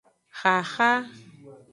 Xaxa.